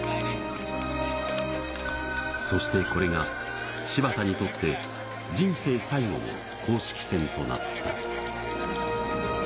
そしてこれが柴田にとって人生最後の公式戦となった。